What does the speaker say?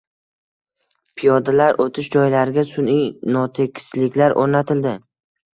Piyodalar o‘tish joylariga sun'iy notekisliklar o'rnatildi.